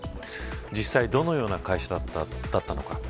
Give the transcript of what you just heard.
実際どのような会社だったのか。